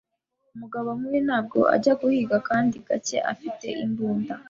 Umugabo nkuyu ntabwo ajya guhiga kandi gake afite imbunda